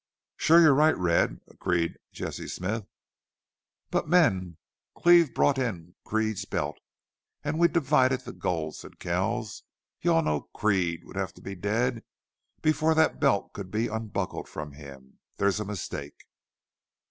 "Shore you're right, Red," agreed Jesse Smith. "But, men Cleve brought in Creede's belt and we've divided the gold," said Kells. "You all know Creede would have to be dead before that belt could be unbuckled from him. There's a mistake."